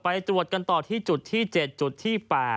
ไปตรวจกันต่อที่จุดที่๗จุดที่๘